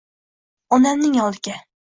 -Onamning oldiga.